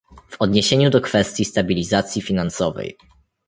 W odniesieniu do kwestii stabilizacji finansowej